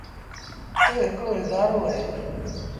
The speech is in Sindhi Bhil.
تا هڪڙو اَدآرو اهي۔